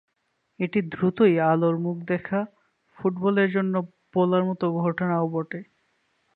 এটি দ্রুতই আলোর মুখ দেখা ফুটবলের জন্য বলার মতো ঘটনাও বটে।